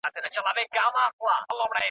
استادان او شاگردان یې دهقانان کړل .